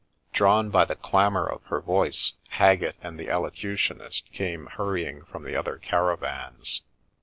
Drawn by the clamour of her voice, Haggett and the Elocution ist came hurrying from the other caravans.